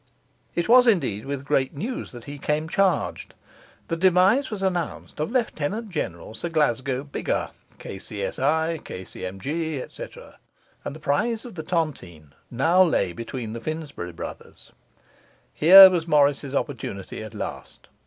It was indeed with great news that he came charged. The demise was announced of Lieutenant General Sir Glasgow Biggar, KCSI, KCMG, etc., and the prize of the tontine now lay between the Finsbury brothers. Here was Morris's opportunity at last.